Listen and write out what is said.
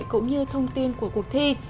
cũng như thông tin của cuộc thi